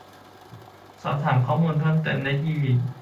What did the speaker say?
สอบถามข้อมูลเพิ่มเติมได้ที่